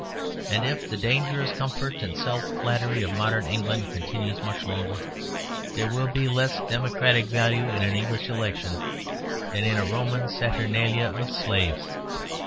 And if the dangerous comfort and self flattery of modern England continues much longer there will be less democratic value in an English election than in a Roman saturnalia of slaves.